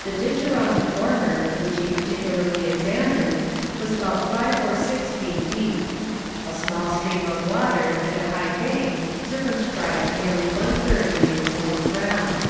The ditch around the former, which he particularly examined, was about five or six feet deep. A small stream of water and a high bank circumscribed nearly one third of the enclosed ground.